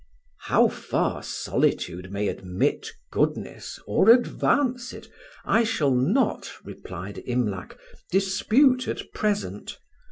"How far solitude may admit goodness or advance it, I shall not," replied Imlac, "dispute at present.